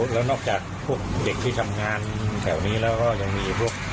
แล้วนอกจากพวกเด็กที่ทำงานแถวนี้แล้วก็ยังมีพวก